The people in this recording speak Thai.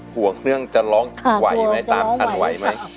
ห่วงเรื่องจะร้องไหวไหมตามทันไหวไหมค่ะกลัวจะร้องไหวครับ